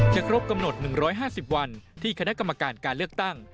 ครบกำหนด๑๕๐วันที่คณะกรรมการการเลือกตั้ง